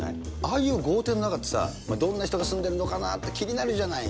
ああいう豪邸の中ってさ、どんな人が住んでるのかなって、気になるじゃない。